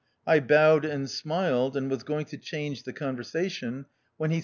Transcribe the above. I bowed and smiled, and was going to change the conversation, when he THE OUTCAST.